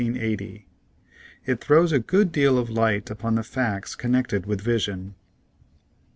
It throws a good deal of light upon the facts connected with vision.